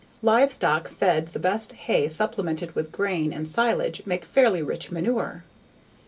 Livestock fed the best hay supplemented with grain and silage make fairly rich manure.